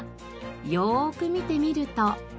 よく見てみると。